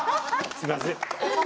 すいません。